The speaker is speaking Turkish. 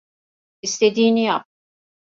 İstediğini yap.